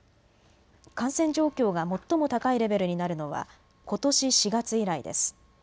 感染状況が最も高いレベルになるのはことし４月以来です。